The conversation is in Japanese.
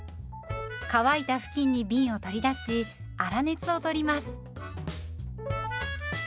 乾いた布巾にびんを取り出し粗熱を取ります。